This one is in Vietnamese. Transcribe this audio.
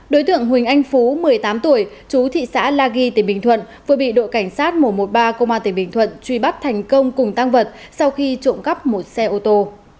đối tượng huỳnh anh phú một mươi tám tuổi chú thị xã la ghi tp vừa bị đội cảnh sát một trăm một mươi ba công an tp truy bắt thành công cùng tăng vật sau khi trộm cắp một xe ô tô